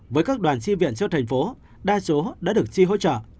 với các đoàn chi viện cho thành phố đa số đã được chi hỗ trợ